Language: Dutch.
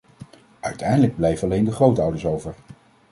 Uiteindelijk blijven alleen de grootouders over.